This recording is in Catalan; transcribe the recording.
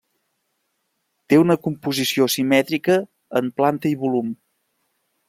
Té una composició simètrica en planta i volum.